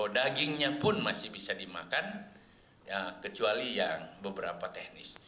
dagingnya pun masih bisa dimakan kecuali yang beberapa teknis